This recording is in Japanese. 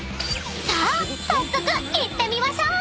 ［さあ早速いってみましょう！］